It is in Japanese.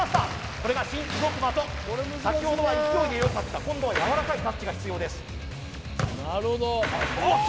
これが新動く的先ほどは勢いでよかった今度はやわらかいタッチが必要ですおっ！